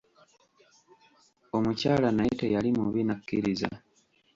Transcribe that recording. Omukyala naye teyali mubi n'akkiriza.